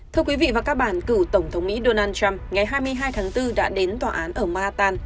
thưa quý vị và các bạn cựu tổng thống mỹ donald trump ngày hai mươi hai tháng bốn đã đến tòa án ở mattan